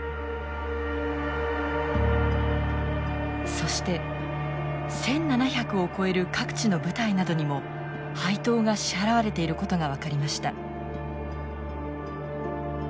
そして１，７００を超える各地の部隊などにも配当が支払われていることが分かりました。